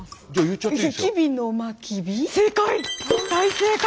正解！